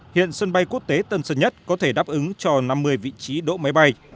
hiện sân bay quốc tế tân sơn nhất có thể đáp ứng cho năm mươi vị trí đỗ máy bay